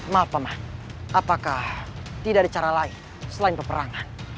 maaf paman apakah tidak ada cara lain selain peperangan